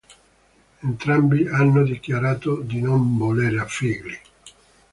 Entrambi hanno dichiarato di non volere figli.